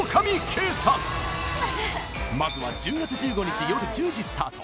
まずは１０月１５日よる１０時スタート